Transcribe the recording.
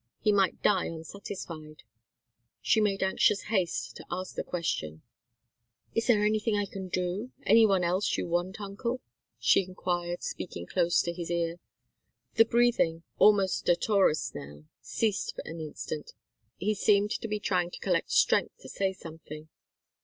He might die unsatisfied. She made anxious haste to ask the question. "Is there anything I can do? Any one else you want, uncle?" she enquired, speaking close to his ear. The breathing, almost stertorous now, ceased for an instant. He seemed to be trying to collect strength to say something.